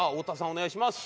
お願いします。